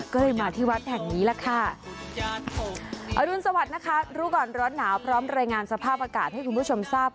ก็เลยมาที่วัดแห่งนี้แหละค่ะอรุณสวัสดิ์นะคะรู้ก่อนร้อนหนาวพร้อมรายงานสภาพอากาศให้คุณผู้ชมทราบ